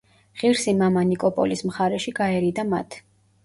ღირსი მამა ნიკოპოლის მხარეში გაერიდა მათ.